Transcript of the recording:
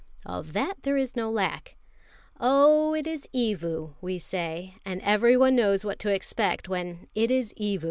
Of that there is no lack. "Oh, it is Evu!" we say, and everyone knows what to expect when "it is Evu."